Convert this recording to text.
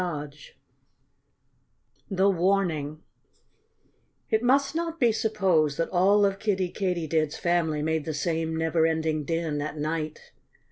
II THE WARNING It must not be supposed that all of Kiddie Katydid's family made the same neverending din at night.